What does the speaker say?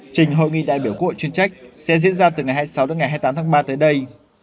trình hội nghị đại biểu quốc hội chuyên trách sẽ diễn ra từ ngày hai mươi sáu đến ngày hai mươi tám tháng ba tới đây